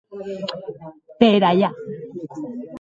Per Allà!